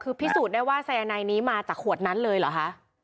คือพิสูจน์ได้ว่าสายนายนี้มาจากขวดนั้นเลยเหรอคะ